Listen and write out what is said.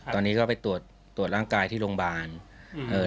ตอนนี้ก็ไปตรวจตรวจร่างกายที่โรงพยาบาลอืม